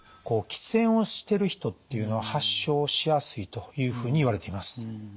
喫煙をしてる人っていうのは発症しやすいというふうにいわれています。